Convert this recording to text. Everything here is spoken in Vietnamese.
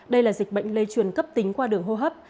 đây là dịch bệnh lây truyền cấp tính qua đường hô hấp